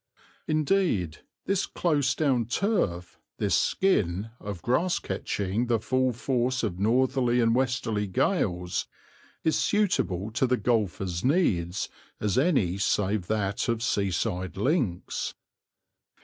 Indeed, this close down turf, this "skin" of grass catching the full force of northerly and westerly gales, is suitable to the golfer's needs as any save that of seaside links.